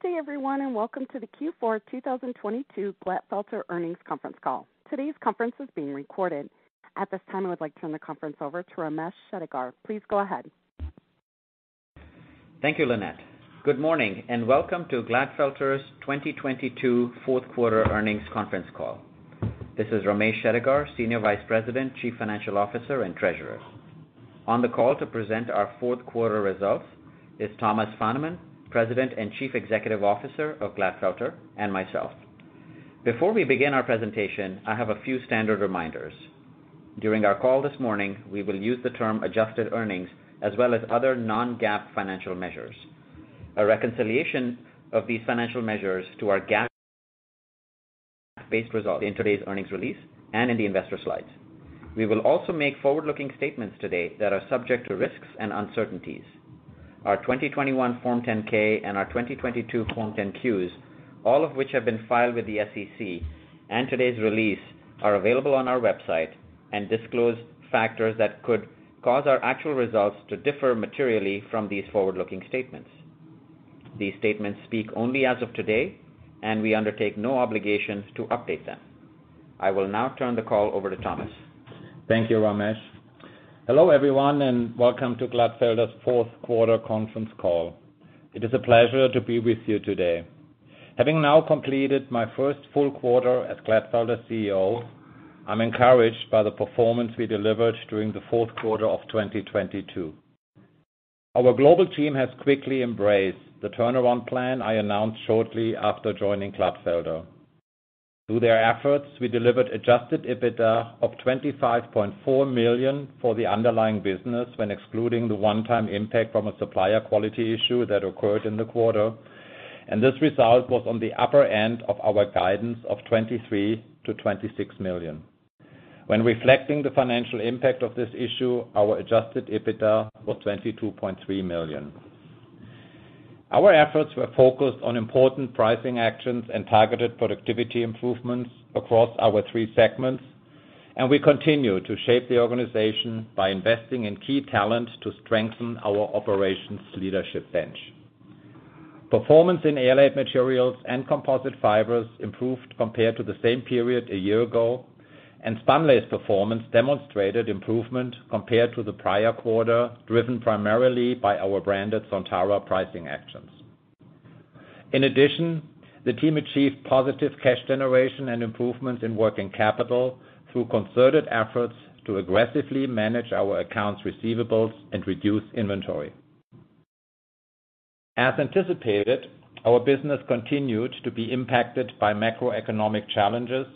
Good day, everyone, and welcome to the Q4 2022 Glatfelter Earnings Conference Call. Today's conference is being recorded. At this time, I would like to turn the conference over to Ramesh Shettigar. Please go ahead. Thank you, Lynette. Good morning, and welcome to Glatfelter's 2022 fourth quarter earnings conference call. This is Ramesh Shettigar, Senior Vice President, Chief Financial Officer, and Treasurer. On the call to present our fourth quarter results is Thomas Fahnemann, President and Chief Executive Officer of Glatfelter, and myself. Before we begin our presentation, I have a few standard reminders. During our call this morning, we will use the term adjusted earnings as well as other non-GAAP financial measures. A reconciliation of these financial measures to our GAAP-based results in today's earnings release and in the investor slides. We will also make forward-looking statements today that are subject to risks and uncertainties. Our 2021 Form 10-K and our 2022 Form 10-Qs, all of which have been filed with the SEC, and today's release are available on our website and disclose factors that could cause our actual results to differ materially from these forward-looking statements. These statements speak only as of today, and we undertake no obligations to update them. I will now turn the call over to Thomas. Thank you, Ramesh. Hello, everyone, and welcome to Glatfelter's fourth quarter conference call. It is a pleasure to be with you today. Having now completed my first full quarter as Glatfelter's CEO, I'm encouraged by the performance we delivered during the fourth quarter of 2022. Our global team has quickly embraced the turnaround plan I announced shortly after joining Glatfelter. Through their efforts, we delivered adjusted EBITDA of $25.4 million for the underlying business when excluding the one-time impact from a supplier quality issue that occurred in the quarter. This result was on the upper end of our guidance of $23 million-$26 million. When reflecting the financial impact of this issue, our adjusted EBITDA was $22.3 million. Our efforts were focused on important pricing actions and targeted productivity improvements across our three segments, and we continue to shape the organization by investing in key talent to strengthen our operations leadership bench. Performance in Airlaid Materials and Composite Fibers improved compared to the same period a year ago, and Spunlace performance demonstrated improvement compared to the prior quarter, driven primarily by our branded Sontara pricing actions. In addition, the team achieved positive cash generation and improvements in working capital through concerted efforts to aggressively manage our accounts receivables and reduce inventory. As anticipated, our business continued to be impacted by macroeconomic challenges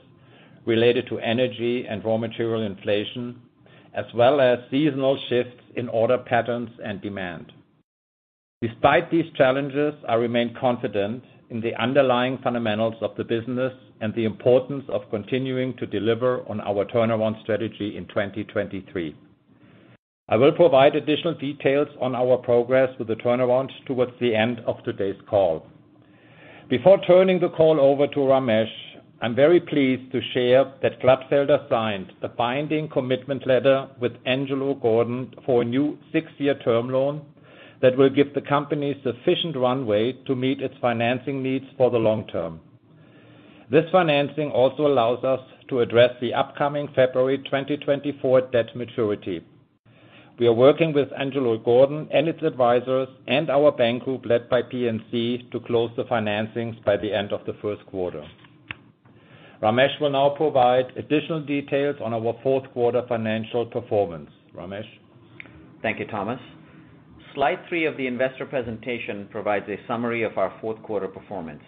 related to energy and raw material inflation, as well as seasonal shifts in order patterns and demand. Despite these challenges, I remain confident in the underlying fundamentals of the business and the importance of continuing to deliver on our turnaround strategy in 2023. I will provide additional details on our progress with the turnaround towards the end of today's call. Before turning the call over to Ramesh, I'm very pleased to share that Glatfelter signed a binding commitment letter with Angelo Gordon for a new 6-year term loan that will give the company sufficient runway to meet its financing needs for the long term. This financing also allows us to address the upcoming February 2024 debt maturity. We are working with Angelo Gordon and its advisors and our bank group led by PNC to close the financings by the end of the first quarter. Ramesh will now provide additional details on our fourth quarter financial performance. Ramesh? Thank you, Thomas. Slide three of the investor presentation provides a summary of our fourth quarter performance.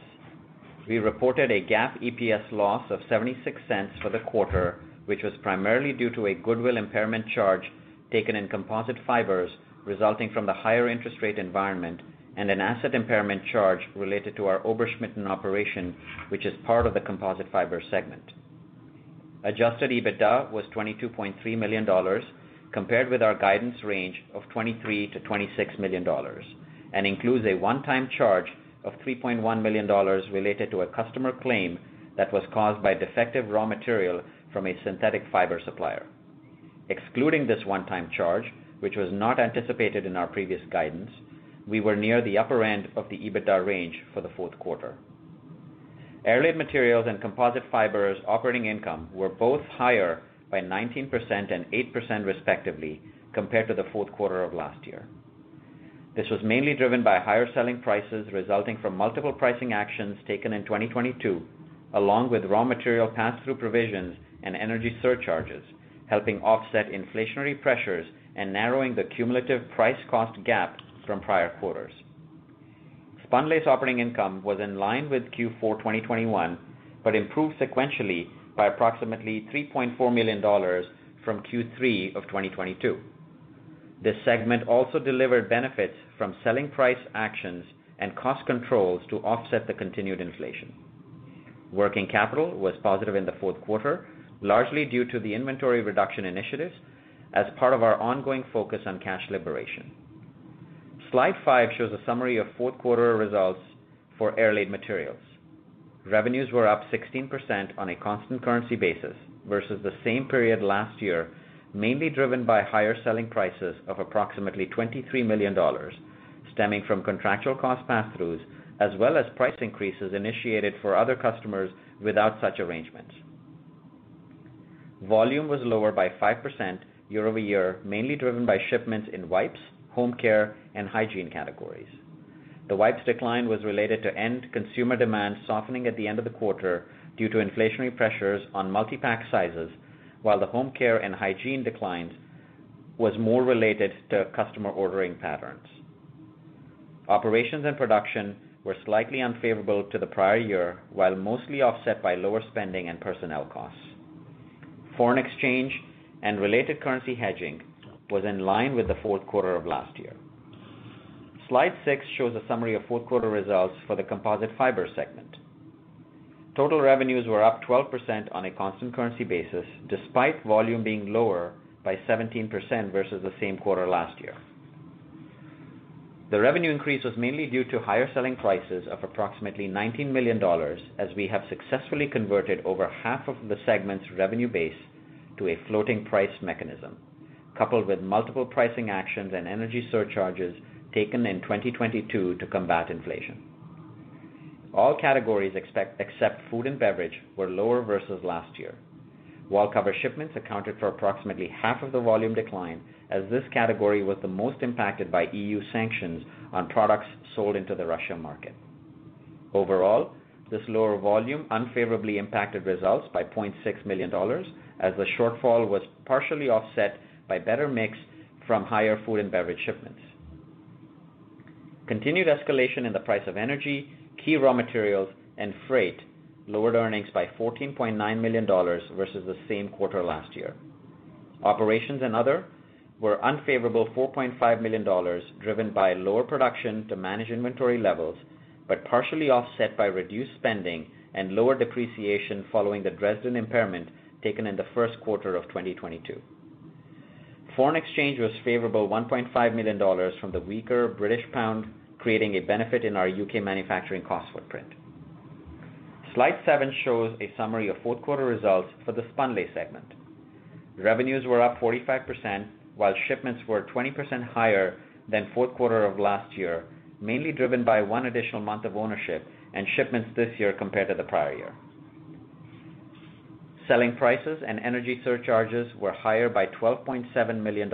We reported a GAAP EPS loss of $0.76 for the quarter, which was primarily due to a goodwill impairment charge taken in Composite Fibers resulting from the higher interest rate environment and an asset impairment charge related to our Ober-Schmitten operation, which is part of the Composite Fibers segment. Adjusted EBITDA was $22.3 million, compared with our guidance range of $23 million-$26 million. It includes a one-time charge of $3.1 million related to a customer claim that was caused by defective raw material from a synthetic fiber supplier. Excluding this one-time charge, which was not anticipated in our previous guidance, we were near the upper end of the EBITDA range for the fourth quarter. Airlaid Materials and Composite Fibers operating income were both higher by 19% and 8% respectively compared to the fourth quarter of last year. This was mainly driven by higher selling prices resulting from multiple pricing actions taken in 2022, along with raw material pass-through provisions and energy surcharges, helping offset inflationary pressures and narrowing the cumulative price cost gap from prior quarters. Spunlace operating income was in line with Q4 2021, but improved sequentially by approximately $3.4 million from Q3 of 2022. This segment also delivered benefits from selling price actions and cost controls to offset the continued inflation. Working capital was positive in the fourth quarter, largely due to the inventory reduction initiatives as part of our ongoing focus on cash liberation. Slide five shows a summary of fourth quarter results for Airlaid Materials. Revenues were up 16% on a constant currency basis versus the same period last year, mainly driven by higher selling prices of approximately $23 million stemming from contractual cost passthroughs, as well as price increases initiated for other customers without such arrangements. Volume was lower by 5% year-over-year, mainly driven by shipments in wipes, home care, and hygiene categories. The wipes decline was related to end consumer demand softening at the end of the quarter due to inflationary pressures on multi-pack sizes, while the home care and hygiene declines was more related to customer ordering patterns. Operations and production were slightly unfavorable to the prior year, while mostly offset by lower spending and personnel costs. Foreign exchange and related currency hedging was in line with the fourth quarter of last year. Slide six shows a summary of fourth quarter results for the Composite Fibers segment. Total revenues were up 12% on a constant currency basis, despite volume being lower by 17% versus the same quarter last year. The revenue increase was mainly due to higher selling prices of approximately $19 million, as we have successfully converted over half of the segment's revenue base to a floating price mechanism, coupled with multiple pricing actions and energy surcharges taken in 2022 to combat inflation. All categories except food and beverage were lower versus last year. Wallcover shipments accounted for approximately half of the volume decline, as this category was the most impacted by EU sanctions on products sold into the Russia market. Overall, this lower volume unfavorably impacted results by $0.6 million as the shortfall was partially offset by better mix from higher food and beverage shipments. Continued escalation in the price of energy, key raw materials, and freight lowered earnings by $14.9 million versus the same quarter last year. Operations and other were unfavorable $4.5 million, driven by lower production to manage inventory levels, but partially offset by reduced spending and lower depreciation following the Dresden impairment taken in the first quarter of 2022. Foreign exchange was favorable $1.5 million from the weaker British pound, creating a benefit in our U.K. manufacturing cost footprint. Slide 7 shows a summary of fourth quarter results for the Spunlace segment. Revenues were up 45%, while shipments were 20% higher than fourth quarter of last year, mainly driven by one additional month of ownership and shipments this year compared to the prior year. Selling prices and energy surcharges were higher by $12.7 million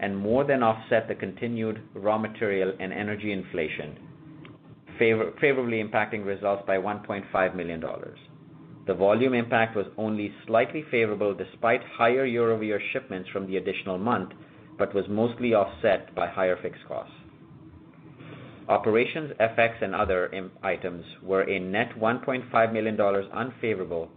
and more than offset the continued raw material and energy inflation, favorably impacting results by $1.5 million. The volume impact was only slightly favorable despite higher year-over-year shipments from the additional month, but was mostly offset by higher fixed costs. Operations, FX, and other items were a net $1.5 million unfavorable,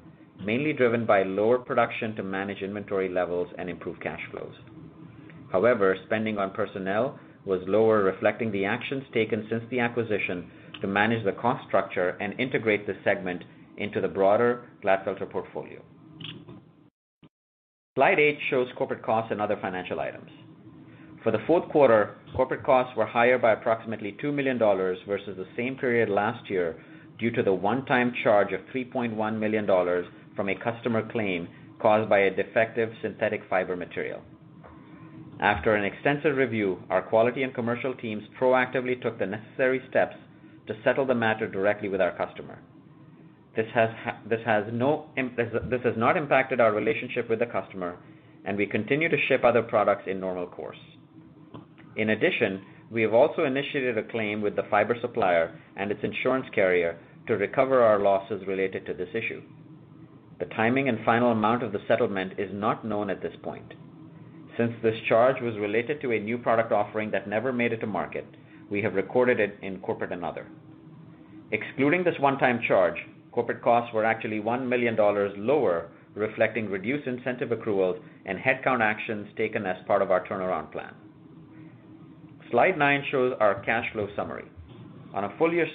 mainly driven by lower production to manage inventory levels and improve cash flows. Spending on personnel was lower, reflecting the actions taken since the acquisition to manage the cost structure and integrate the segment into the broader Glatfelter portfolio. Slide 8 shows corporate costs and other financial items. For the fourth quarter, corporate costs were higher by approximately $2 million versus the same period last year due to the one-time charge of $3.1 million from a customer claim caused by a defective synthetic fiber material. After an extensive review, our quality and commercial teams proactively took the necessary steps to settle the matter directly with our customer. This has not impacted our relationship with the customer, and we continue to ship other products in normal course. We have also initiated a claim with the fiber supplier and its insurance carrier to recover our losses related to this issue. The timing and final amount of the settlement is not known at this point. Since this charge was related to a new product offering that never made it to market, we have recorded it in corporate and other. Excluding this one-time charge, corporate costs were actually $1 million lower, reflecting reduced incentive accruals and headcount actions taken as part of our turnaround plan. Slide 9 shows our cash flow summary. On a full year's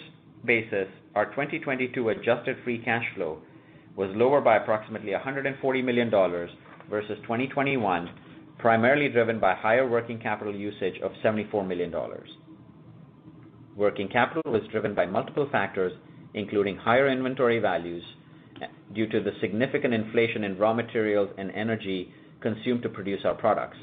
basis, our 2022 adjusted free cash flow was lower by approximately $140 million versus 2021, primarily driven by higher working capital usage of $74 million. Working capital was driven by multiple factors, including higher inventory values due to the significant inflation in raw materials and energy consumed to produce our products,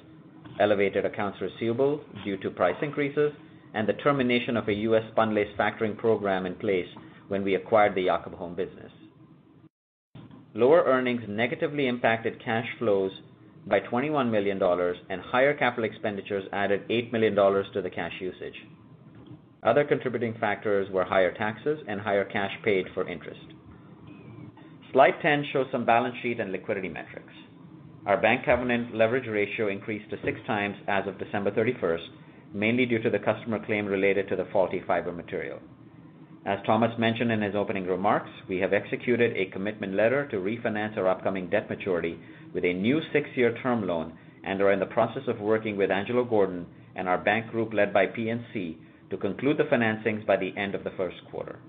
elevated accounts receivable due to price increases, and the termination of a U.S. spunlace factoring program in place when we acquired the Jacob Holm business. Lower earnings negatively impacted cash flows by $21 million and higher capital expenditures added $8 million to the cash usage. Other contributing factors were higher taxes and higher cash paid for interest. Slide 10 shows some balance sheet and liquidity metrics. Our bank covenant leverage ratio increased to 6x as of December 31st, mainly due to the customer claim related to the faulty fiber material. As Thomas mentioned in his opening remarks, we have executed a commitment letter to refinance our upcoming debt maturity with a new 6-year term loan and are in the process of working with Angelo Gordon and our bank group led by PNC to conclude the financings by the end of the 1st quarter.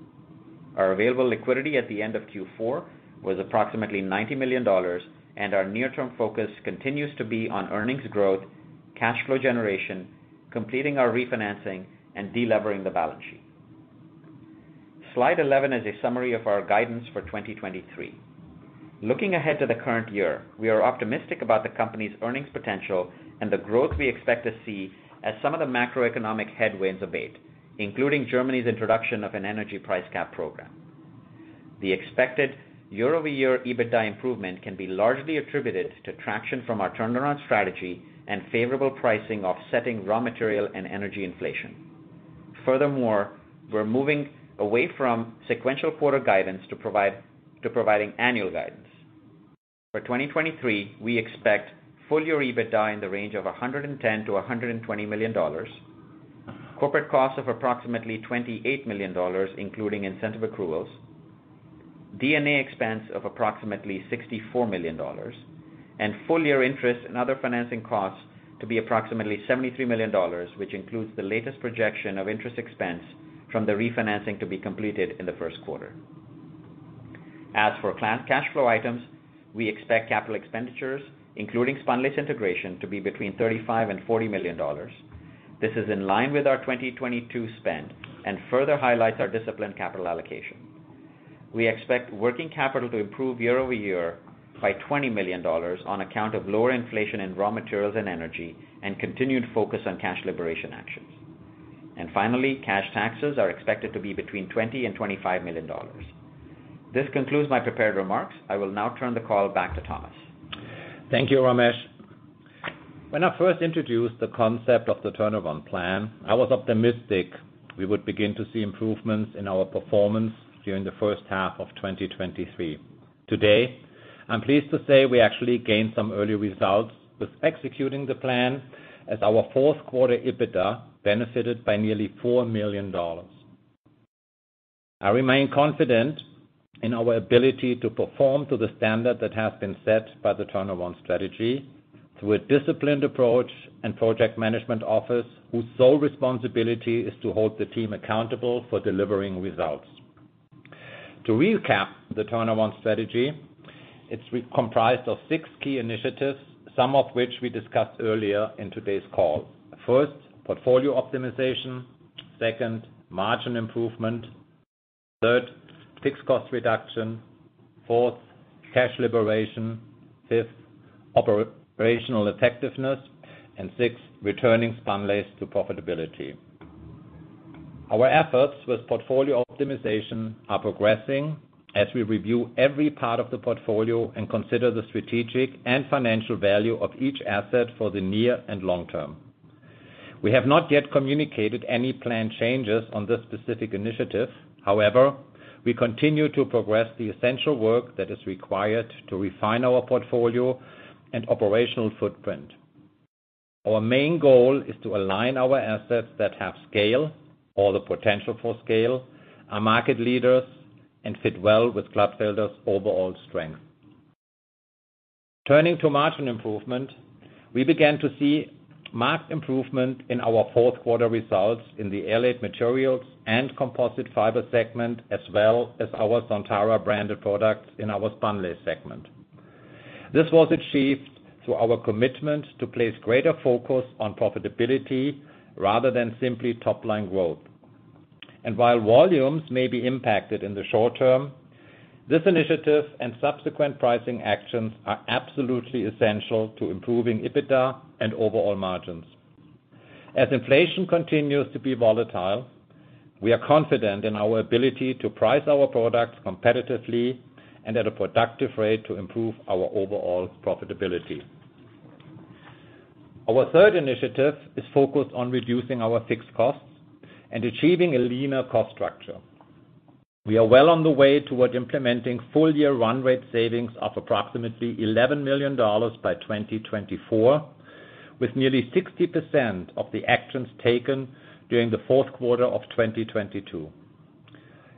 Our available liquidity at the end of Q4 was approximately $90 million. Our near-term focus continues to be on earnings growth, cash flow generation, completing our refinancing and delevering the balance sheet. Slide 11 is a summary of our guidance for 2023. Looking ahead to the current year, we are optimistic about the company's earnings potential and the growth we expect to see as some of the macroeconomic headwinds abate, including Germany's introduction of an energy price cap program. The expected year-over-year EBITDA improvement can be largely attributed to traction from our turnaround strategy and favorable pricing offsetting raw material and energy inflation. Furthermore, we're moving away from sequential quarter guidance to providing annual guidance. For 2023, we expect full year EBITDA in the range of $110 million-$120 million. Corporate costs of approximately $28 million, including incentive accruals, D&A expense of approximately $64 million, and full year interest and other financing costs to be approximately $73 million, which includes the latest projection of interest expense from the refinancing to be completed in the first quarter. As for cash flow items, we expect capital expenditures, including Spunlace integration to be between $35 million and $40 million. This is in line with our 2022 spend and further highlights our disciplined capital allocation. We expect working capital to improve year-over-year by $20 million on account of lower inflation in raw materials and energy and continued focus on cash liberation actions. Finally, cash taxes are expected to be between $20 million and $25 million. This concludes my prepared remarks. I will now turn the call back to Thomas. Thank you, Ramesh. When I first introduced the concept of the turnaround plan, I was optimistic we would begin to see improvements in our performance during the first half of 2023. Today, I'm pleased to say we actually gained some early results with executing the plan as our fourth quarter EBITDA benefited by nearly $4 million. I remain confident in our ability to perform to the standard that has been set by the turnaround strategy through a disciplined approach and project management office, whose sole responsibility is to hold the team accountable for delivering results. To recap the turnaround strategy, it's comprised of six key initiatives, some of which we discussed earlier in today's call. First, portfolio optimization. Second, margin improvement. Third, fixed cost reduction. Fourth, cash liberation. Fifth, operational effectiveness. Six, returning spunlace to profitability. Our efforts with portfolio optimization are progressing as we review every part of the portfolio and consider the strategic and financial value of each asset for the near and long term. We have not yet communicated any planned changes on this specific initiative. We continue to progress the essential work that is required to refine our portfolio and operational footprint. Our main goal is to align our assets that have scale or the potential for scale, are market leaders, and fit well with Glatfelter's overall strength. Turning to margin improvement, we began to see marked improvement in our fourth quarter results in the Airlaid Materials and Composite Fibers segment, as well as our Sontara branded products in our Spunlace segment. This was achieved through our commitment to place greater focus on profitability rather than simply top-line growth. While volumes may be impacted in the short term, this initiative and subsequent pricing actions are absolutely essential to improving EBITDA and overall margins. As inflation continues to be volatile, we are confident in our ability to price our products competitively and at a productive rate to improve our overall profitability. Our third initiative is focused on reducing our fixed costs and achieving a leaner cost structure. We are well on the way toward implementing full year run rate savings of approximately $11 million by 2024, with nearly 60% of the actions taken during the fourth quarter of 2022.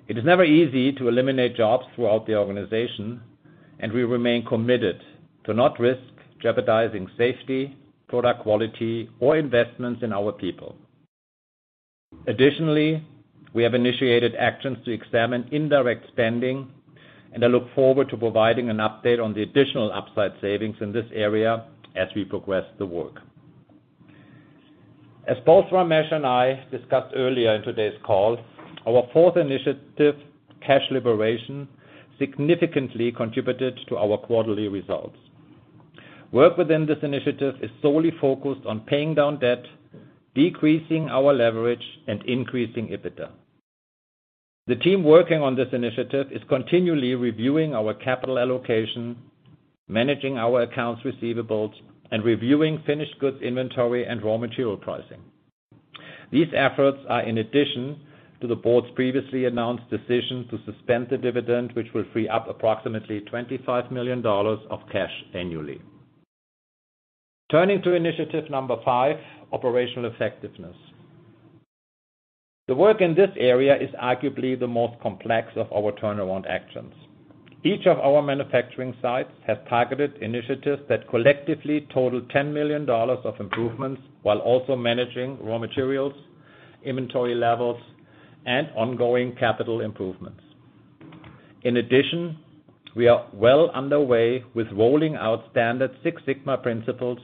It is never easy to eliminate jobs throughout the organization, and we remain committed to not risk jeopardizing safety, product quality, or investments in our people. Additionally, we have initiated actions to examine indirect spending, and I look forward to providing an update on the additional upside savings in this area as we progress the work. As both Ramesh and I discussed earlier in today's call, our fourth initiative, cash liberation, significantly contributed to our quarterly results. Work within this initiative is solely focused on paying down debt, decreasing our leverage, and increasing EBITDA. The team working on this initiative is continually reviewing our capital allocation, managing our accounts receivables, and reviewing finished goods inventory and raw material pricing. These efforts are in addition to the board's previously announced decision to suspend the dividend, which will free up approximately $25 million of cash annually. Turning to initiative number five, operational effectiveness. The work in this area is arguably the most complex of our turnaround actions. Each of our manufacturing sites have targeted initiatives that collectively total $10 million of improvements while also managing raw materials, inventory levels, and ongoing capital improvements. In addition, we are well underway with rolling out standard Six Sigma principles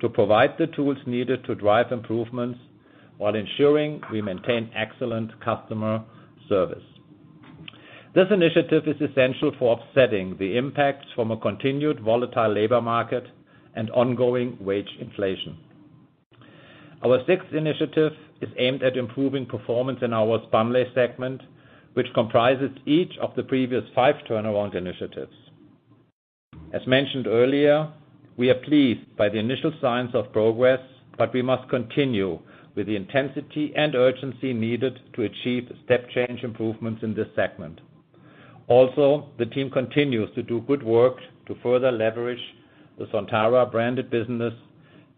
to provide the tools needed to drive improvements while ensuring we maintain excellent customer service. This initiative is essential for offsetting the impact from a continued volatile labor market and ongoing wage inflation. Our sixth initiative is aimed at improving performance in our Spunlace segment, which comprises each of the previous five turnaround initiatives. As mentioned earlier, we are pleased by the initial signs of progress. We must continue with the intensity and urgency needed to achieve step change improvements in this segment. Also, the team continues to do good work to further leverage the Sontara-branded business,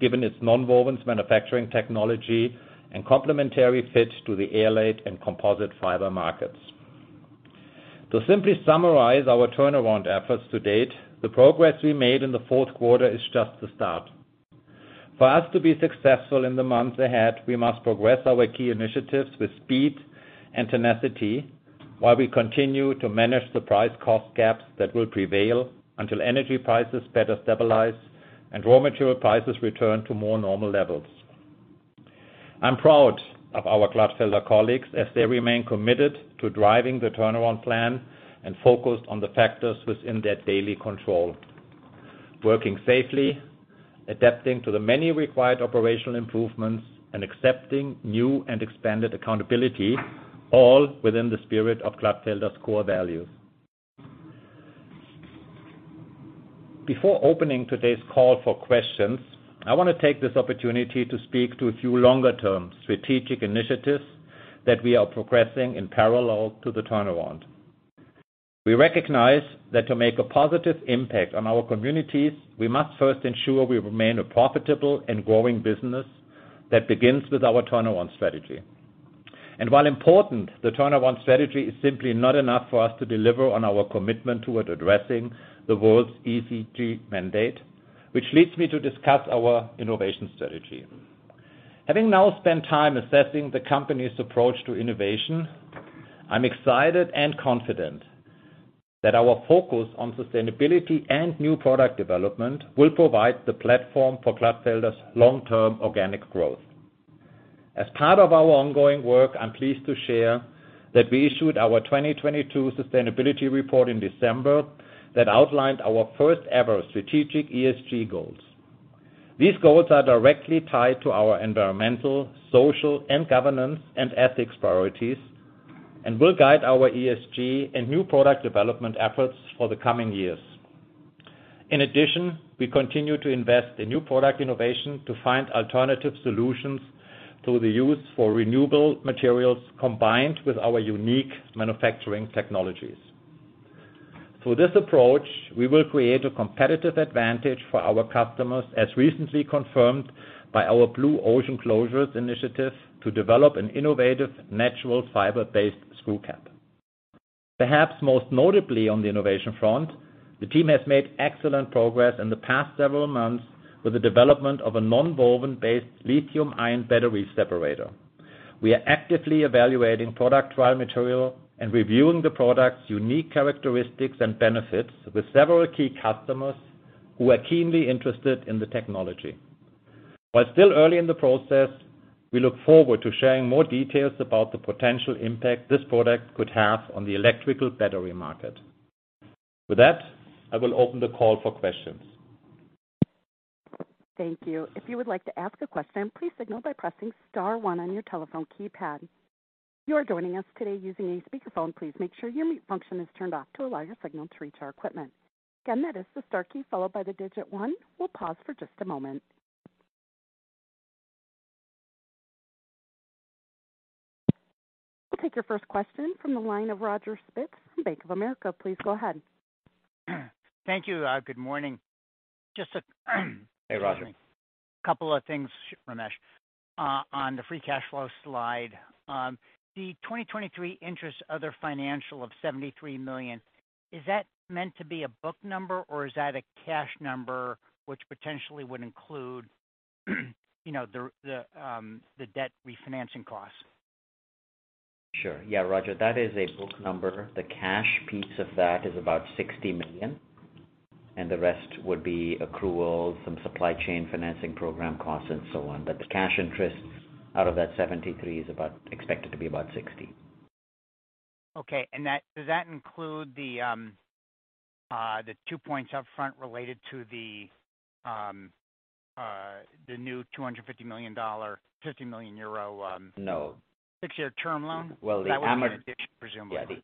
given its nonwovens manufacturing technology and complementary fit to the Airlaid and Composite Fibers markets. To simply summarize our turnaround efforts to date, the progress we made in the fourth quarter is just the start. For us to be successful in the months ahead, we must progress our key initiatives with speed and tenacity while we continue to manage the price cost gaps that will prevail until energy prices better stabilize and raw material prices return to more normal levels. I'm proud of our Glatfelter colleagues as they remain committed to driving the turnaround plan and focused on the factors within their daily control, working safely, adapting to the many required operational improvements, and accepting new and expanded accountability, all within the spirit of Glatfelter's core values. Before opening today's call for questions, I want to take this opportunity to speak to a few longer-term strategic initiatives that we are progressing in parallel to the turnaround. We recognize that to make a positive impact on our communities, we must first ensure we remain a profitable and growing business that begins with our turnaround strategy. While important, the turnaround strategy is simply not enough for us to deliver on our commitment toward addressing the world's ESG mandate, which leads me to discuss our innovation strategy. Having now spent time assessing the company's approach to innovation, I'm excited and confident that our focus on sustainability and new product development will provide the platform for Glatfelter's long-term organic growth. As part of our ongoing work, I'm pleased to share that we issued our 2022 sustainability report in December that outlined our first-ever strategic ESG goals. These goals are directly tied to our Environmental, Social, and Governance and ethics priorities and will guide our ESG and new product development efforts for the coming years. We continue to invest in new product innovation to find alternative solutions to the use for renewable materials, combined with our unique manufacturing technologies. Through this approach, we will create a competitive advantage for our customers, as recently confirmed by our Blue Ocean Closures initiative to develop an innovative natural fiber-based screw cap. Perhaps most notably on the innovation front, the team has made excellent progress in the past several months with the development of a nonwoven-based lithium-ion battery separator. We are actively evaluating product trial material and reviewing the product's unique characteristics and benefits with several key customers who are keenly interested in the technology. While still early in the process, we look forward to sharing more details about the potential impact this product could have on the electrical battery market. With that, I will open the call for questions. Thank you. If you would like to ask a question, please signal by pressing star one on your telephone keypad. If you are joining us today using a speakerphone, please make sure your mute function is turned off to allow your signal to reach our equipment. Again, that is the star key followed by the digit one. We'll pause for just a moment. We'll take your first question from the line of Roger Spitz from Bank of America. Please go ahead. Thank you. Good morning. Hey, Roger. Couple of things, Ramesh. On the free cash flow slide, the 2023 interest other financial of $73 million, is that meant to be a book number or is that a cash number which potentially would include, you know, the debt refinancing cost? Sure. Yeah, Roger, that is a book number. The cash piece of that is about $60 million and the rest would be accruals, some supply chain financing program costs and so on. The cash interest out of that $73 is expected to be about $60. Okay. That, does that include the two points up front related to the new $250 million, 50 million euro? No. Six-year term loan? Well, That would be in addition, presumably. Yeah.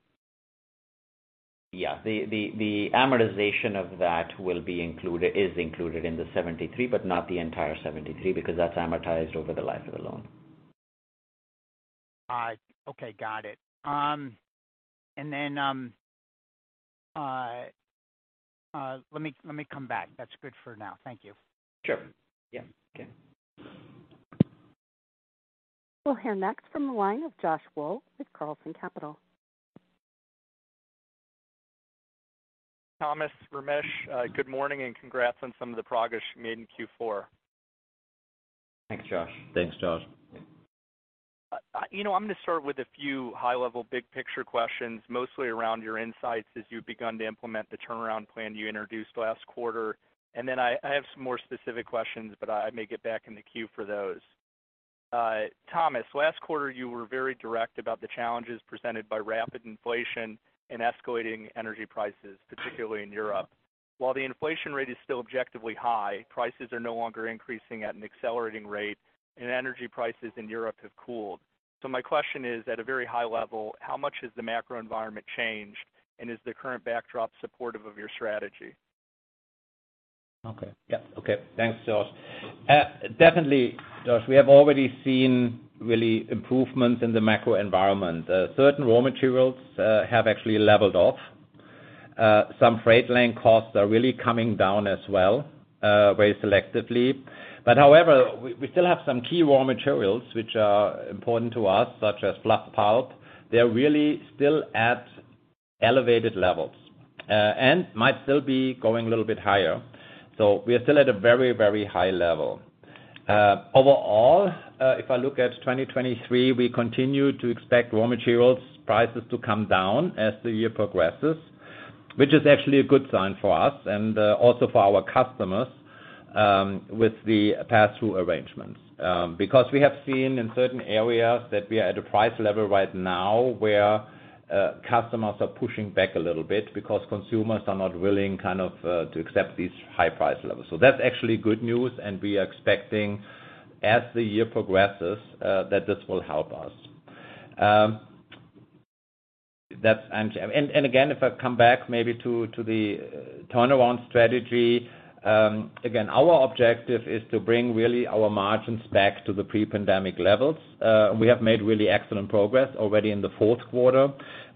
Yeah. The amortization of that is included in the 73, but not the entire 73, because that's amortized over the life of the loan. All right. Okay, got it. Let me come back. That's good for now. Thank you. Sure. Yeah. Okay. We'll hear next from the line of Josh Wool with Carlson Capital. Thomas, Ramesh, good morning and congrats on some of the progress you made in Q4. Thanks, Josh. Thanks, Josh. You know, I'm gonna start with a few high-level big picture questions, mostly around your insights as you've begun to implement the turnaround plan you introduced last quarter. I have some more specific questions, but I may get back in the queue for those. Thomas, last quarter you were very direct about the challenges presented by rapid inflation and escalating energy prices, particularly in Europe. While the inflation rate is still objectively high, prices are no longer increasing at an accelerating rate, and energy prices in Europe have cooled. My question is, at a very high level, how much has the macro environment changed, and is the current backdrop supportive of your strategy? Okay. Yeah. Okay. Thanks, Josh. Definitely, Josh, we have already seen really improvements in the macro environment. Certain raw materials have actually leveled off. Some freight lane costs are really coming down as well, very selectively. However, we still have some key raw materials which are important to us, such as fluff pulp. They're really still at elevated levels and might still be going a little bit higher. We are still at a very, very high level. Overall, if I look at 2023, we continue to expect raw materials prices to come down as the year progresses, which is actually a good sign for us and also for our customers with the pass-through arrangements. Because we have seen in certain areas that we are at a price level right now where customers are pushing back a little bit because consumers are not willing kind of to accept these high price levels. That's actually good news. We are expecting, as the year progresses, that this will help us. Again, if I come back maybe to the turnaround strategy, again, our objective is to bring really our margins back to the pre-pandemic levels. We have made really excellent progress already in the fourth quarter.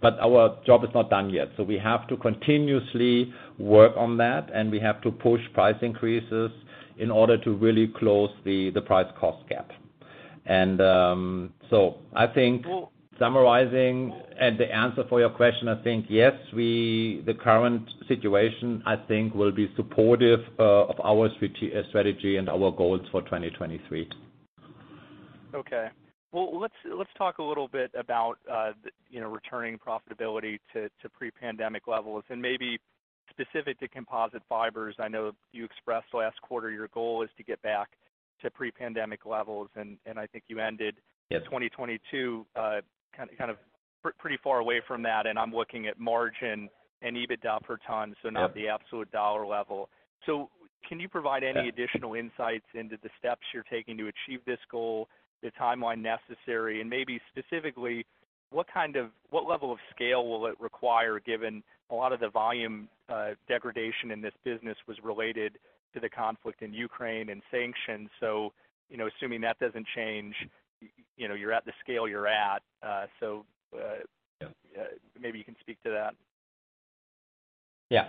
Our job is not done yet. We have to continuously work on that. We have to push price increases in order to really close the price cost gap. I think summarizing and the answer for your question, I think, yes, the current situation, I think, will be supportive, of our strategy and our goals for 2023. Okay. Well, let's talk a little bit about, you know, returning profitability to pre-pandemic levels and maybe specific to Composite Fibers. I know you expressed last quarter your goal is to get back to pre-pandemic levels. Yeah. 2022, pretty far away from that, and I'm looking at margin and EBITDA per ton. Yeah. Not the absolute dollar level. Can you provide any additional insights into the steps you're taking to achieve this goal, the timeline necessary, and maybe specifically, what level of scale will it require given a lot of the volume, degradation in this business was related to the conflict in Ukraine and sanctions. You know, assuming that doesn't change, you know, you're at the scale you're at, so. Yeah. Maybe you can speak to that. Yeah.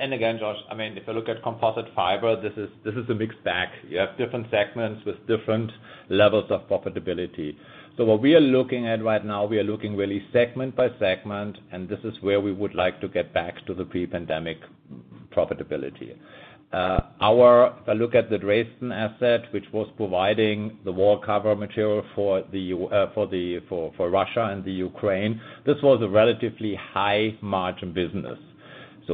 Again, Josh Wool, I mean, if you look at Composite Fibers, this is a mixed bag. You have different segments with different levels of profitability. What we are looking at right now, we are looking really segment by segment. This is where we would like to get back to the pre-pandemic profitability. If I look at the Dresden asset, which was providing the wallcover material for Russia and the Ukraine, this was a relatively high margin business.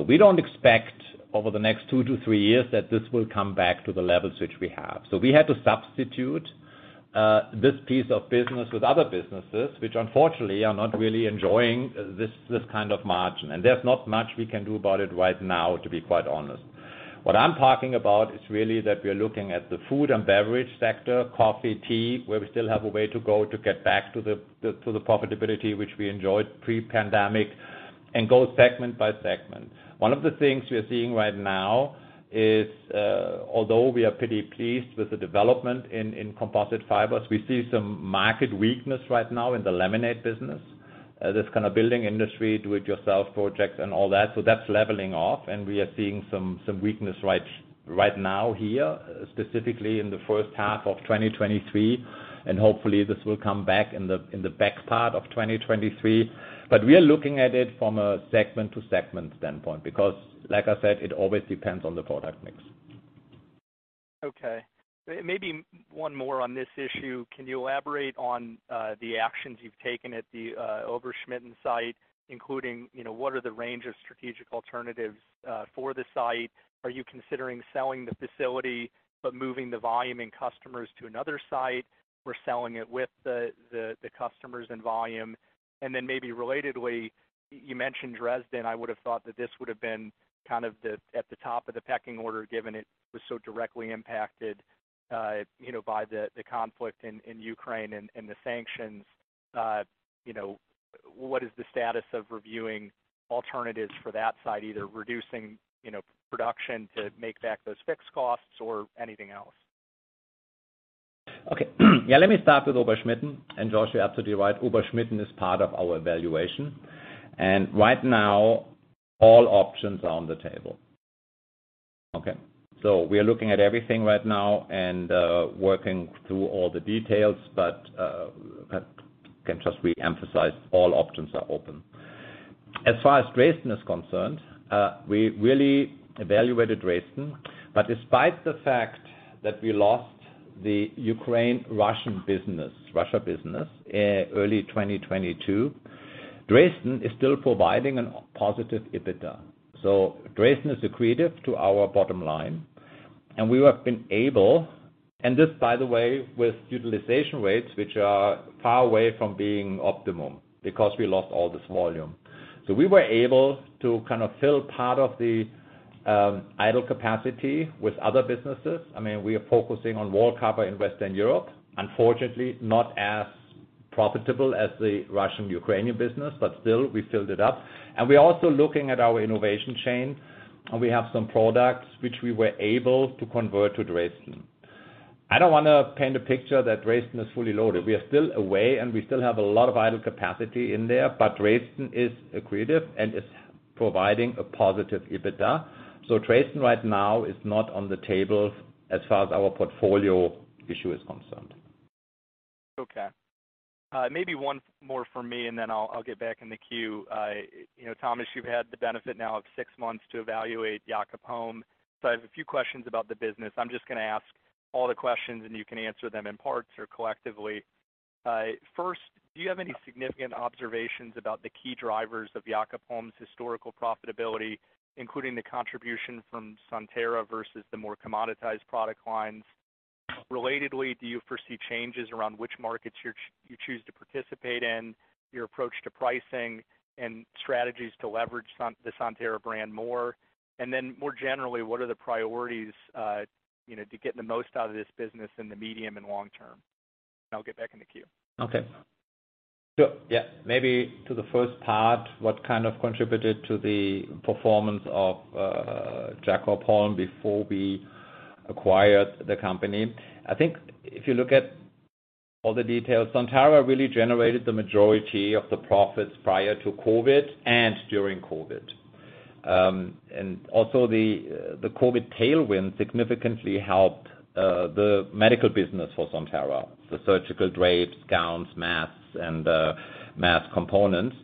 We don't expect over the next two to three years that this will come back to the levels which we have. We had to substitute this piece of business with other businesses which unfortunately are not really enjoying this kind of margin. There's not much we can do about it right now, to be quite honest. What I'm talking about is really that we are looking at the food and beverage sector, coffee, tea, where we still have a way to go to get back to the profitability which we enjoyed pre-pandemic and go segment by segment. One of the things we are seeing right now is, although we are pretty pleased with the development in Composite Fibers, we see some market weakness right now in the laminate business. This kind of building industry, do it yourself projects and all that. That's leveling off, we are seeing some weakness right now here, specifically in the first half of 2023, hopefully this will come back in the back part of 2023. We are looking at it from a segment to segment standpoint because like I said, it always depends on the product mix. Okay. Maybe one more on this issue. Can you elaborate on the actions you've taken at the Ober-Schmitten site, including, you know, what are the range of strategic alternatives for the site? Are you considering selling the facility but moving the volume and customers to another site or selling it with the customers and volume? Maybe relatedly, you mentioned Dresden. I would have thought that this would have been kind of at the top of the pecking order given it was so directly impacted, you know, by the conflict in Ukraine and the sanctions. You know, what is the status of reviewing alternatives for that site? Either reducing, you know, production to make back those fixed costs or anything else? Okay. Yeah, let me start with Ober-Schmitten. Josh, you're absolutely right. Ober-Schmitten is part of our evaluation. Right now, all options are on the table. Okay. We are looking at everything right now, working through all the details, can just re-emphasize all options are open. As far as Dresden is concerned, we really evaluated Dresden, despite the fact that we lost the Ukraine-Russian business, Russia business in early 2022, Dresden is still providing a positive EBITDA. Dresden is accretive to our bottom line, and we have been able. This, by the way, with utilization rates, which are far away from being optimum because we lost all this volume. We were able to kind of fill part of the idle capacity with other businesses. I mean, we are focusing on wallcover in Western Europe. Unfortunately, not as profitable as the Russian Ukrainian business, but still we filled it up. We're also looking at our innovation chain, and we have some products which we were able to convert to Dresden. I don't wanna paint a picture that Dresden is fully loaded. We are still away, and we still have a lot of idle capacity in there, but Dresden is accretive and is providing a positive EBITDA. Dresden right now is not on the table as far as our portfolio issue is concerned. Okay. Maybe one more for me, and then I'll get back in the queue. You know, Thomas, you've had the benefit now of six months to evaluate Jacob Holm. I have a few questions about the business. I'm just gonna ask all the questions, and you can answer them in parts or collectively. First, do you have any significant observations about the key drivers of Jacob Holm's historical profitability, including the contribution from Sontara versus the more commoditized product lines? Relatedly, do you foresee changes around which markets you choose to participate in, your approach to pricing and strategies to leverage the Sontara brand more? More generally, what are the priorities, you know, to get the most out of this business in the medium and long term? I'll get back in the queue. Yeah, maybe to the first part, what kind of contributed to the performance of Jacob Holm before we acquired the company. I think if you look at all the details, Sontara really generated the majority of the profits prior to COVID and during COVID. And also the COVID tailwind significantly helped the medical business for Sontara, the surgical drapes, gowns, masks, and mask components.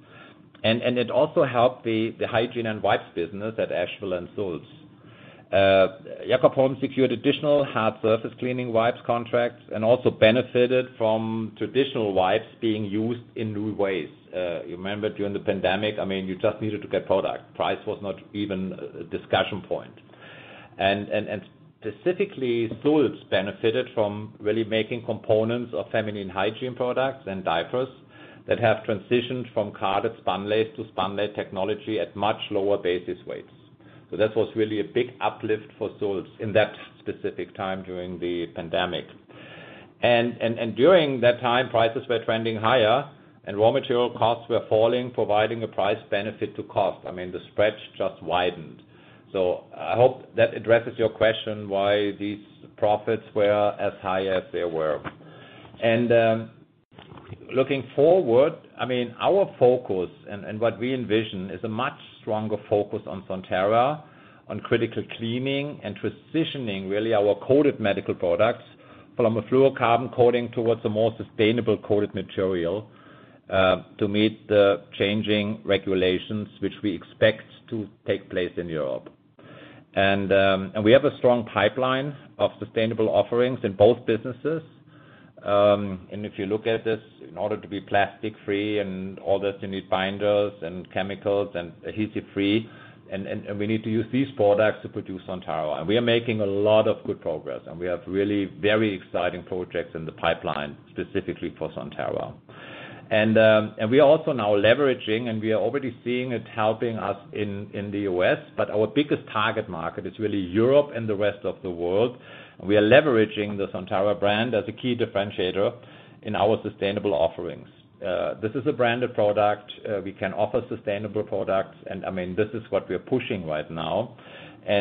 It also helped the hygiene and wipes business at Asheville and Sulz. Jacob Holm secured additional hard surface cleaning wipes contracts and also benefited from traditional wipes being used in new ways. You remember during the pandemic, I mean, you just needed to get product. Price was not even a discussion point. Specifically, Sulz benefited from really making components of feminine hygiene products and diapers that have transitioned from carded spunlace to spunlace technology at much lower basis weights. That was really a big uplift for Sulz in that specific time during the pandemic. During that time, prices were trending higher, and raw material costs were falling, providing a price benefit to cost. The spreads just widened. I hope that addresses your question why these profits were as high as they were. Looking forward, our focus and what we envision is a much stronger focus on Sontara, on critical cleaning and transitioning really our coated medical products from a fluorocarbon coating towards a more sustainable coated material to meet the changing regulations, which we expect to take place in Europe. We have a strong pipeline of sustainable offerings in both businesses. If you look at this, in order to be plastic-free and all this, you need binders and chemicals and adhesive-free. We need to use these products to produce Sontara. We are making a lot of good progress, and we have really very exciting projects in the pipeline, specifically for Sontara. We are also now leveraging, and we are already seeing it helping us in the U.S., but our biggest target market is really Europe and the rest of the world. We are leveraging the Sontara brand as a key differentiator in our sustainable offerings. This is a branded product. We can offer sustainable products, and I mean, this is what we're pushing right now. We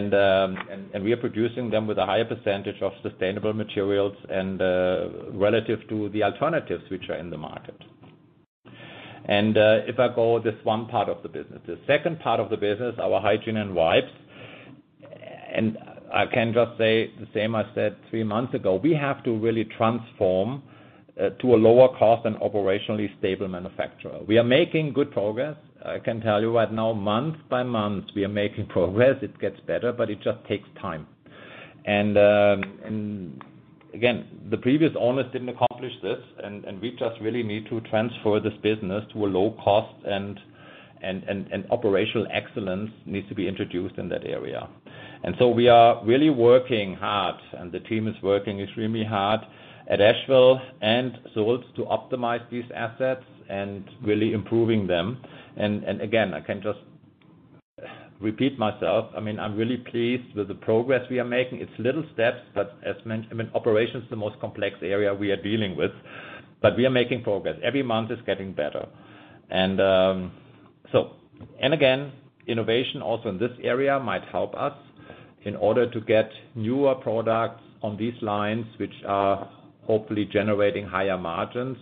are producing them with a higher percentage of sustainable materials relative to the alternatives which are in the market. If I go this one part of the business. The second part of the business, our hygiene and wipes. I can just say the same I said three months ago, we have to really transform to a lower cost and operationally stable manufacturer. We are making good progress. I can tell you right now, month by month, we are making progress. It gets better, but it just takes time. Again, the previous owners didn't accomplish this, and we just really need to transfer this business to a low cost and operational excellence needs to be introduced in that area. We are really working hard, and the team is working extremely hard at Asheville and Sulz to optimize these assets and really improving them. Again, I can just repeat myself. I mean, I'm really pleased with the progress we are making. It's little steps, but as mentioned, I mean, operations is the most complex area we are dealing with. We are making progress. Every month it's getting better. Again, innovation also in this area might help us in order to get newer products on these lines, which are hopefully generating higher margins.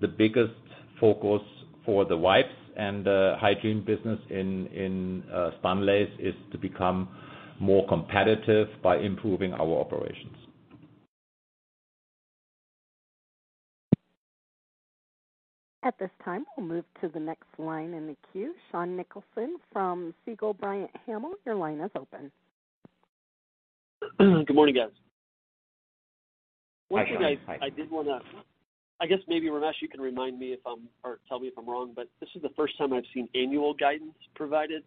The biggest focus for the wipes and hygiene business in Spunlace is to become more competitive by improving our operations. At this time, we'll move to the next line in the queue. Sean Nicholson from Segall Bryant & Hamill, your line is open. Good morning, guys. Hi, Sean. One thing I did wanna... I guess maybe, Ramesh, you can remind me if I'm, or tell me if I'm wrong, but this is the first time I've seen annual guidance provided.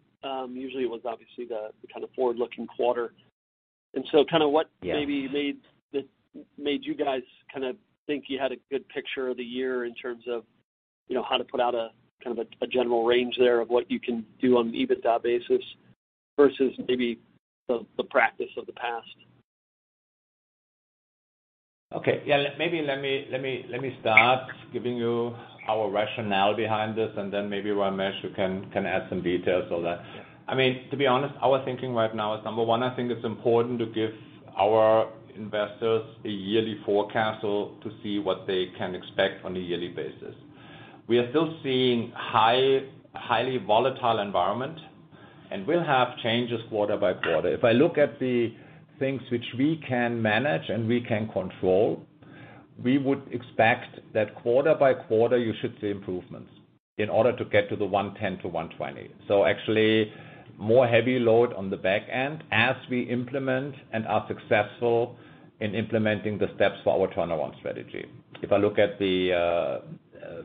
Usually it was obviously the kind of forward-looking quarter. Kind of what... Yeah. maybe that made you guys kind of think you had a good picture of the year in terms of, you know, how to put out a, kind of a general range there of what you can do on EBITDA basis versus maybe the practice of the past. Okay. Yeah. Maybe let me start giving you our rationale behind this, and then maybe, Ramesh, you can add some details on that. I mean, to be honest, our thinking right now is, number one, I think it's important to give our investors a yearly forecast so to see what they can expect on a yearly basis. We are still seeing highly volatile environment, and we'll have changes quarter by quarter. If I look at the things which we can manage and we can control, we would expect that quarter by quarter, you should see improvements in order to get to the $110-$120. Actually more heavy load on the back end as we implement and are successful in implementing the steps for our turnaround strategy. If I look at the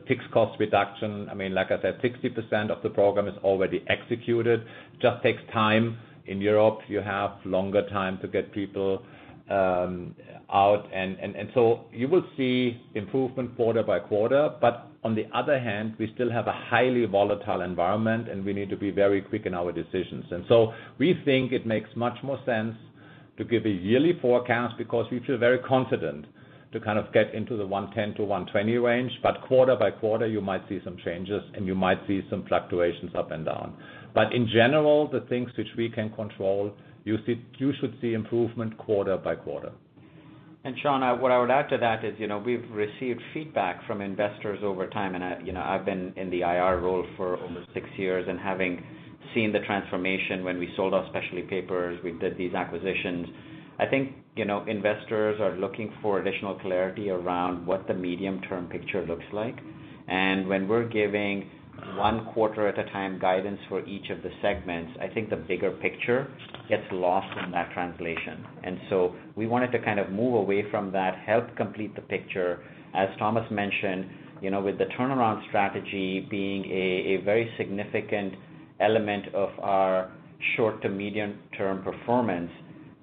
fixed cost reduction, I mean, like I said, 60% of the program is already executed. Just takes time. In Europe, you have longer time to get people out. You will see improvement quarter by quarter. On the other hand, we still have a highly volatile environment, and we need to be very quick in our decisions. We think it makes much more sense to give a yearly forecast because we feel very confident to kind of get into the 110-120 range. Quarter by quarter, you might see some changes, and you might see some fluctuations up and down. In general, the things which we can control, you should see improvement quarter by quarter. Sean, what I would add to that is, you know, we've received feedback from investors over time, and I, you know, I've been in the IR role for over six years. Having seen the transformation when we sold our specialty papers, we did these acquisitions, I think, you know, investors are looking for additional clarity around what the medium-term picture looks like. When we're giving one quarter at a time guidance for each of the segments, I think the bigger picture gets lost in that translation. We wanted to kind of move away from that, help complete the picture. As Thomas mentioned, you know, with the turnaround strategy being a very significant element of our short to medium-term performance,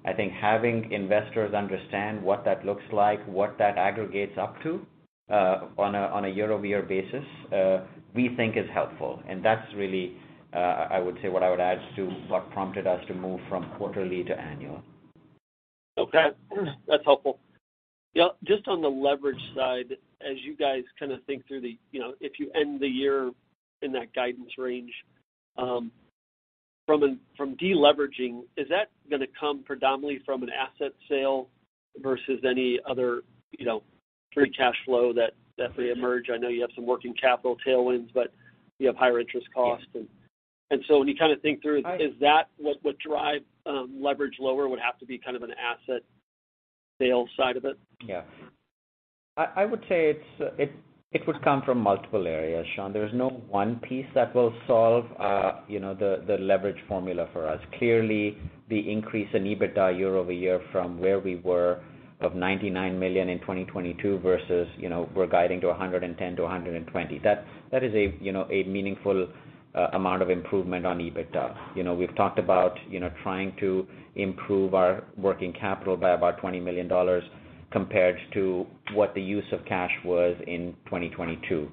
I think having investors understand what that looks like, what that aggregates up to, on a year-over-year basis, we think is helpful. That's really, I would say, what I would add to what prompted us to move from quarterly to annual. Okay. That's helpful. Yeah. Just on the leverage side, as you guys kinda think through the, you know, if you end the year in that guidance range, from deleveraging, is that gonna come predominantly from an asset sale versus any other, you know, free cash flow that may emerge? I know you have some working capital tailwinds, but you have higher interest costs. When you kinda think through, is that what would drive leverage lower would have to be kind of an asset sale side of it? Yeah. I would say it would come from multiple areas, Sean. There is no one piece that will solve, you know, the leverage formula for us. Clearly, the increase in EBITDA year-over-year from where we were of $99 million in 2022 versus, you know, we're guiding to $110 million-$120 million. That is a, you know, a meaningful amount of improvement on EBITDA. You know, we've talked about, you know, trying to improve our working capital by about $20 million compared to what the use of cash was in 2022.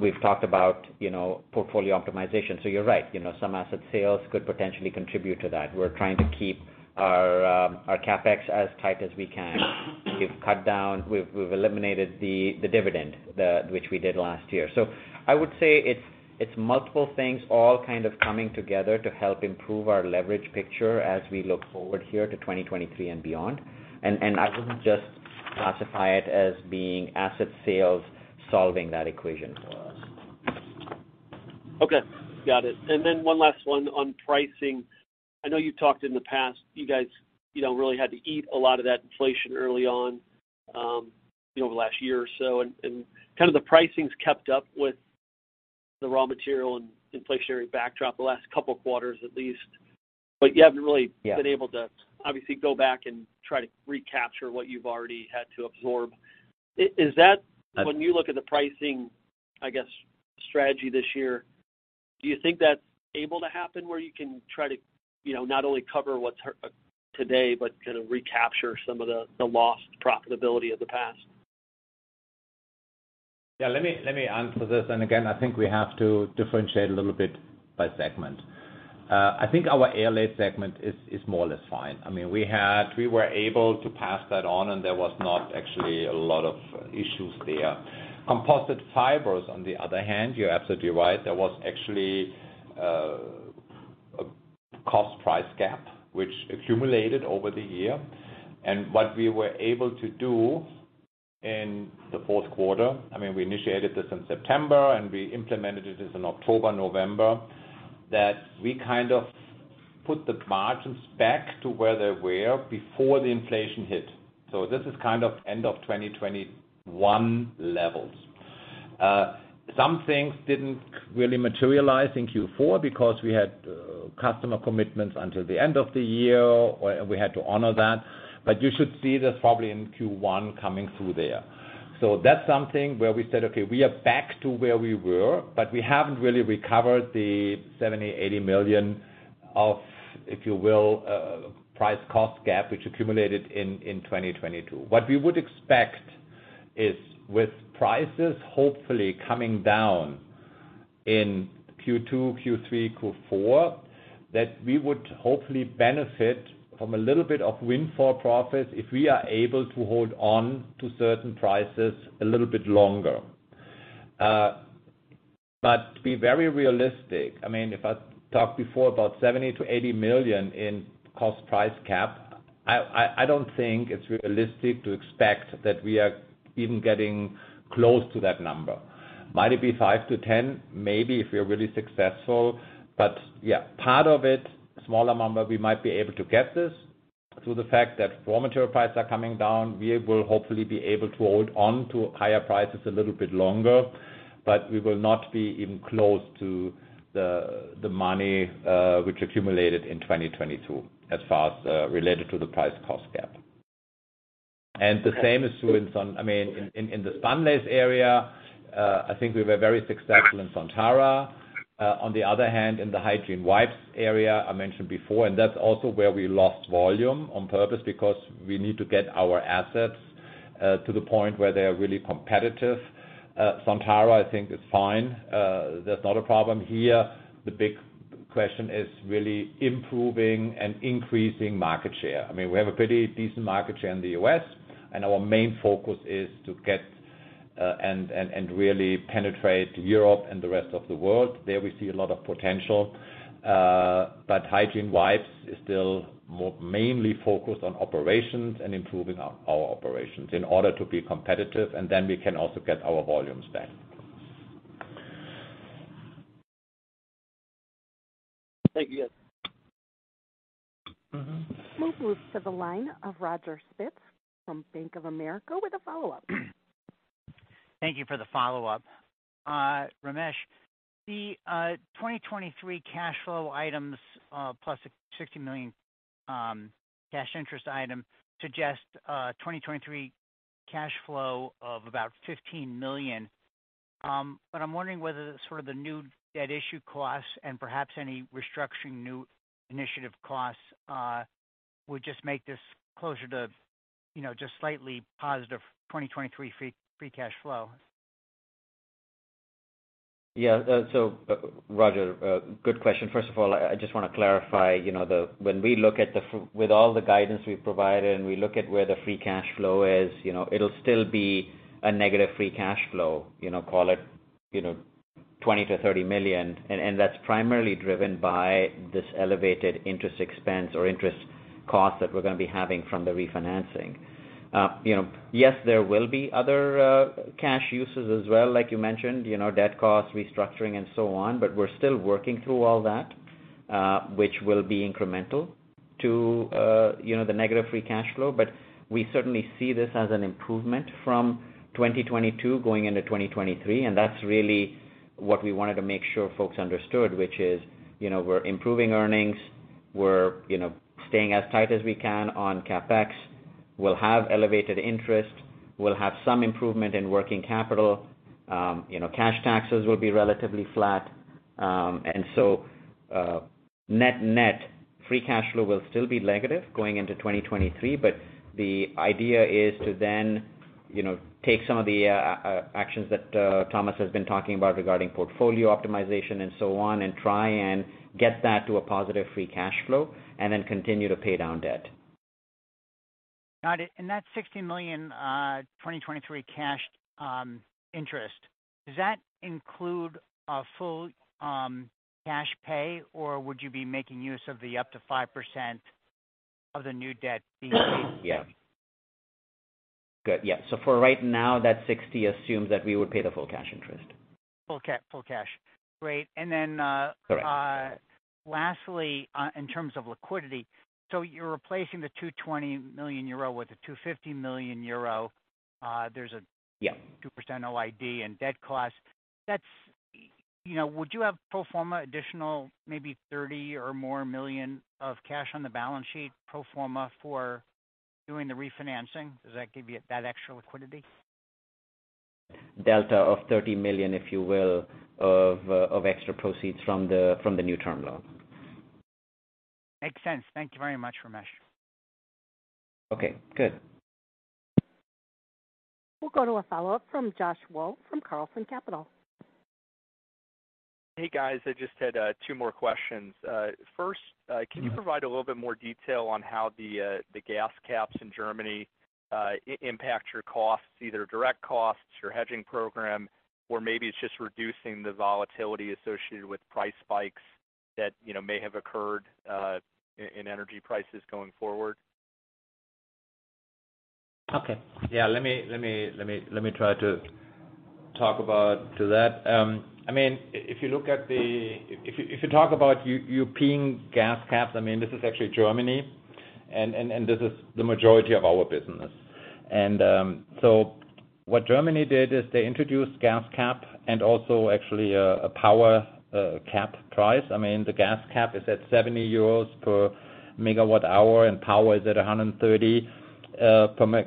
We've talked about, you know, portfolio optimization. You're right, you know, some asset sales could potentially contribute to that. We're trying to keep our CapEx as tight as we can. We've cut down, we've eliminated the dividend, which we did last year. I would say it's multiple things all kind of coming together to help improve our leverage picture as we look forward here to 2023 and beyond. I wouldn't just classify it as being asset sales solving that equation for us. Okay. Got it. One last one on pricing. I know you've talked in the past, you guys, you know, really had to eat a lot of that inflation early on, you know, over the last year or so. Kind of the pricing's kept up with the raw material and inflationary backdrop the last couple quarters at least. You haven't. Yeah. been able to obviously go back and try to recapture what you've already had to absorb? Yes. -when you look at the pricing, I guess, strategy this year, do you think that's able to happen where you can try to, you know, not only cover what's hurt today but kind of recapture some of the lost profitability of the past? Yeah, let me answer this. Again, I think we have to differentiate a little bit by segment. I think our Airlaid segment is more or less fine. I mean, we were able to pass that on and there was not actually a lot of issues there. Composite Fibers, on the other hand, you're absolutely right, there was actually a cost price gap which accumulated over the year. What we were able to do in the fourth quarter, I mean, we initiated this in September, and we implemented it is in October, November, that we kind of put the margins back to where they were before the inflation hit. This is kind of end of 2021 levels. Some things didn't really materialize in Q4 because we had customer commitments until the end of the year, or we had to honor that. You should see this probably in Q1 coming through there. That's something where we said, "Okay, we are back to where we were, but we haven't really recovered the $70 million-$80 million of, if you will, price cost gap, which accumulated in 2022." What we would expect is with prices hopefully coming down in Q2, Q3, Q4, that we would hopefully benefit from a little bit of windfall profits if we are able to hold on to certain prices a little bit longer. To be very realistic, I mean, if I talked before about $70 million-$80 million in cost price cap, I don't think it's realistic to expect that we are even getting close to that number. Might it be 5-10? Maybe if we're really successful. Yeah, part of it, smaller number, we might be able to get this through the fact that raw material prices are coming down. We will hopefully be able to hold on to higher prices a little bit longer, but we will not be even close to the money which accumulated in 2022 as far as related to the price cost gap. The same is true in, I mean, in the Spunlace area, I think we were very successful in Sontara. On the other hand, in the hygiene wipes area I mentioned before, that's also where we lost volume on purpose because we need to get our assets to the point where they are really competitive. Sontara, I think is fine. That's not a problem here. The big question is really improving and increasing market share. I mean, we have a pretty decent market share in the U.S., our main focus is to get and really penetrate Europe and the rest of the world. There we see a lot of potential. Hygiene wipes is still more mainly focused on operations and improving our operations in order to be competitive, and then we can also get our volumes back. Thank you. Mm-hmm. We'll move to the line of Roger Spitz from Bank of America with a follow-up. Thank you for the follow-up. Ramesh, the 2023 cash flow items, plus a $60 million cash interest item suggests 2023 cash flow of about $15 million. I'm wondering whether the sort of the new debt issue costs and perhaps any restructuring new initiative costs, would just make this closer to, you know, just slightly positive 2023 free cash flow. Yeah. Roger, good question. First of all, I just wanna clarify, you know, when we look at with all the guidance we've provided and we look at where the free cash flow is, you know, it'll still be a negative free cash flow, you know, call it, you know, $20 million-$30 million. That's primarily driven by this elevated interest expense or interest cost that we're gonna be having from the refinancing. Yes, you know, there will be other cash uses as well, like you mentioned, you know, debt costs, restructuring and so on. We're still working through all that, which will be incremental to, you know, the negative free cash flow. We certainly see this as an improvement from 2022 going into 2023, and that's really what we wanted to make sure folks understood, which is, you know, we're improving earnings. We're, you know, staying as tight as we can on CapEx. We'll have elevated interest. We'll have some improvement in working capital. You know, cash taxes will be relatively flat. Net free cash flow will still be negative going into 2023, but the idea is to then, you know, take some of the actions that Thomas has been talking about regarding portfolio optimization and so on, and try and get that to a positive free cash flow and then continue to pay down debt. Got it. That $60 million, 2023 cash, interest, does that include a full, cash pay, or would you be making use of the up to 5% of the new debt fee? Yeah. Good. Yeah. For right now, that $60 assumes that we would pay the full cash interest. Full cash. Great. Then. Correct. lastly, in terms of liquidity, you're replacing the 220 million euro with a 250 million euro. Yeah. There's a 2% OID and debt cost. That's, you know, would you have pro forma additional maybe $30 million or more of cash on the balance sheet pro forma for doing the refinancing? Does that give you that extra liquidity? Delta of $30 million, if you will, of extra proceeds from the new term loan. Makes sense. Thank you very much, Ramesh. Okay, good. We'll go to a follow-up from Josh Wool from Carlson Capital. Hey, guys. I just had two more questions. First, can you provide a little bit more detail on how the gas caps in Germany impact your costs, either direct costs, your hedging program, or maybe it's just reducing the volatility associated with price spikes that, you know, may have occurred in energy prices going forward? Okay. Yeah, let me try to talk about to that. I mean, if you talk about European gas caps, I mean, this is actually Germany and this is the majority of our business. What Germany did is they introduced gas cap and also actually a power cap price. I mean, the gas cap is at 70 euros per MWh, and power is at 130 per MWh.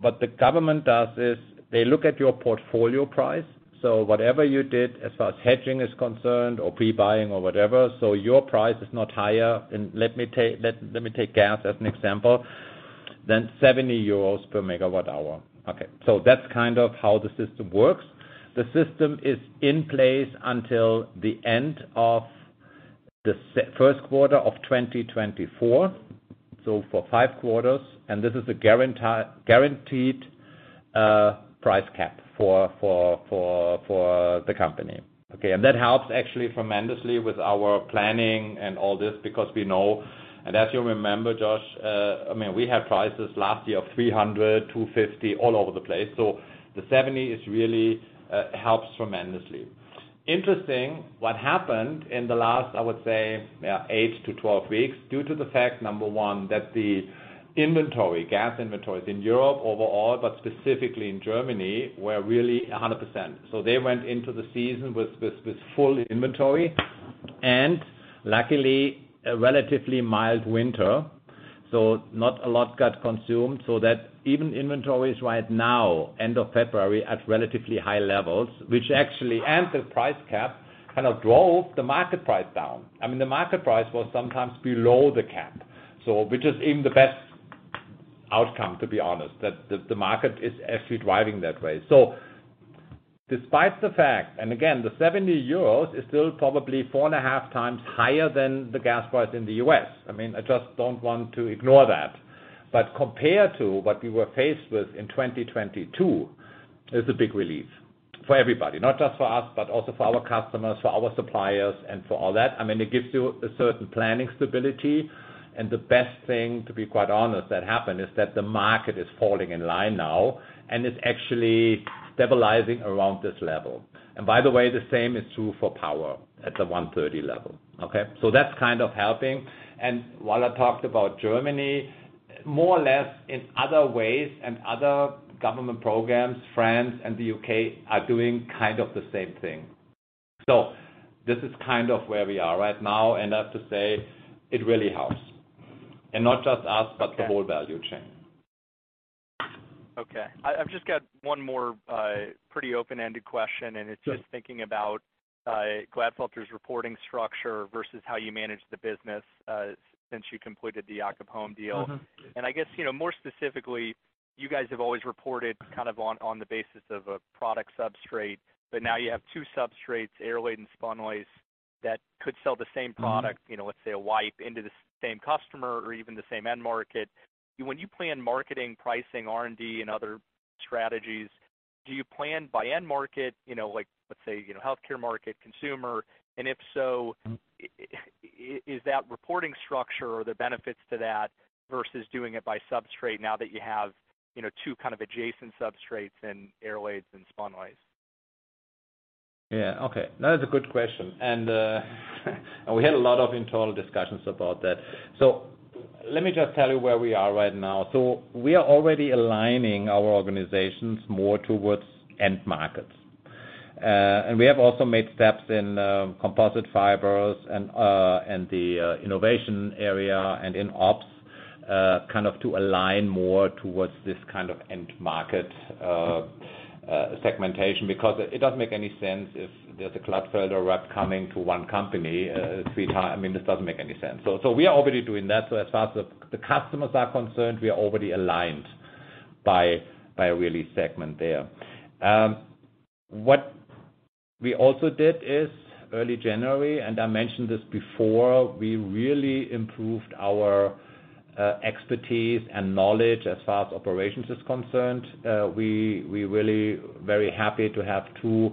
What the government does is they look at your portfolio price, so whatever you did as far as hedging is concerned or pre-buying or whatever, so your price is not higher. Let me take gas as an example, than 70 euros per MWh. Okay. That's kind of how the system works. The system is in place until the end of the first quarter of 2024, so for 5 quarters. This is a guaranteed price cap for the company. Okay. That helps actually tremendously with our planning and all this because we know. As you remember, Josh, I mean, we had prices last year of 300, 250, all over the place. The 70 is really, helps tremendously. Interesting, what happened in the last, I would say, 8-12 weeks, due to the fact, number one, that the inventory, gas inventories in Europe overall, but specifically in Germany, were really 100%. They went into the season with full inventory and luckily a relatively mild winter, so not a lot got consumed. That even inventories right now, end of February, at relatively high levels, which actually, and the price cap kind of drove the market price down. I mean, the market price was sometimes below the cap, so which is even the best outcome, to be honest, that the market is actually driving that way. Despite the fact, and again, the 70 euros is still probably 4.5x higher than the gas price in the U.S. I mean, I just don't want to ignore that. Compared to what we were faced with in 2022, it's a big relief for everybody. Not just for us, but also for our customers, for our suppliers, and for all that. I mean, it gives you a certain planning stability. The best thing, to be quite honest, that happened is that the market is falling in line now and is actually stabilizing around this level. By the way, the same is true for power at the 130 level. Okay? That's kind of helping. While I talked about Germany, more or less in other ways and other government programs, France and the U.K. are doing kind of the same thing. This is kind of where we are right now, and I have to say it really helps. Not just us, but the whole value chain. Okay. I've just got one more, pretty open-ended question. It's just thinking about Glatfelter's reporting structure versus how you manage the business, since you completed the Jacob Holm deal. Mm-hmm. I guess, you know, more specifically, you guys have always reported kind of on the basis of a product substrate, but now you have two substrates, Airlaid and Spunlace, that could sell the same product... Mm-hmm. You know, let's say a wipe into the same customer or even the same end market. When you plan marketing, pricing, R&D, and other strategies, do you plan by end market, you know, like, let's say, you know, healthcare market, consumer? If so, is that reporting structure or the benefits to that versus doing it by substrate now that you have, you know, two kind of adjacent substrates in Airlaid and Spunlace? Yeah. Okay. No, that's a good question. And we had a lot of internal discussions about that. Let me just tell you where we are right now. We are already aligning our organizations more towards end markets. And we have also made steps in Composite Fibers and the innovation area and in ops kind of to align more towards this kind of end market segmentation, because it doesn't make any sense if there's a Glatfelter rep coming to one company three times. I mean, this doesn't make any sense. We are already doing that. As far as the customers are concerned, we are already aligned by really segment there. What we also did is early January, I mentioned this before, we really improved our expertise and knowledge as far as operations is concerned. We really very happy to have two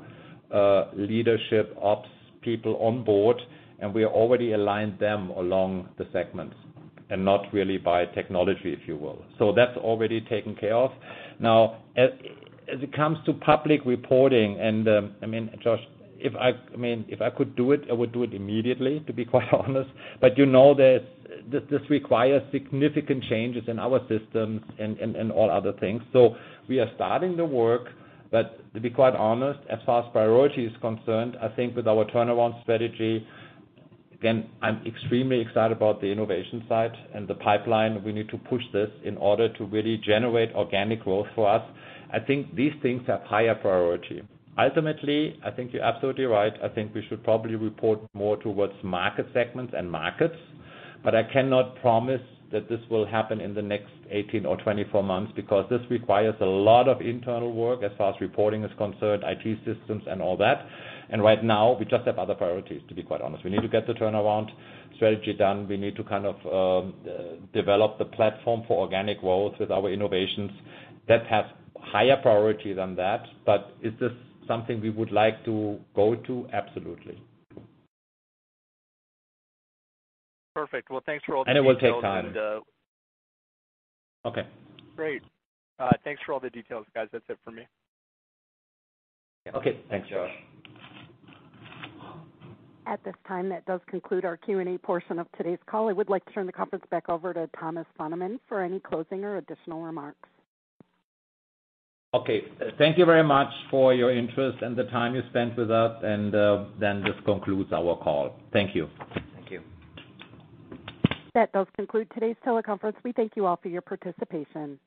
leadership ops people on board, we already aligned them along the segments and not really by technology, if you will. That's already taken care of. Now, as it comes to public reporting and, I mean, Josh, I mean, if I could do it, I would do it immediately, to be quite honest. You know that this requires significant changes in our systems and all other things. We are starting the work. To be quite honest, as far as priority is concerned, I think with our turnaround strategy, again, I'm extremely excited about the innovation side and the pipeline. We need to push this in order to really generate organic growth for us. I think these things have higher priority. Ultimately, I think you're absolutely right. I think we should probably report more towards market segments and markets. I cannot promise that this will happen in the next 18 or 24 months because this requires a lot of internal work as far as reporting is concerned, IT systems and all that. Right now, we just have other priorities, to be quite honest. We need to get the turnaround strategy done. We need to kind of develop the platform for organic growth with our innovations. That has higher priority than that. Is this something we would like to go to? Absolutely. Perfect. Thanks for all the details. It will take time. Okay. Great. Thanks for all the details, guys. That's it for me. Okay. Thanks, Josh. At this time, that does conclude our Q&A portion of today's call. I would like to turn the conference back over to Thomas Fahnemann for any closing or additional remarks. Okay. Thank you very much for your interest and the time you spent with us. This concludes our call. Thank you. Thank you. That does conclude today's teleconference. We thank you all for your participation.